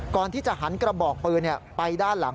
ก่อนที่จะหันกระบอกปืนไปด้านหลัง